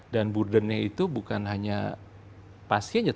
dan burdennya itu bukan hanya pasiennya